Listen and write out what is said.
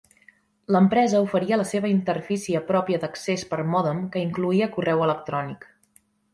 L'empresa oferia la seva interfície pròpia d'accés per mòdem que incloïa correu electrònic.